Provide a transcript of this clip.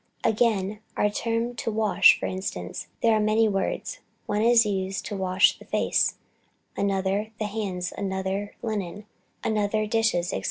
Again, for our term to wash, for instance, there are many words; one is used for to wash the face, another, the hands, another, linen, another, dishes, &c.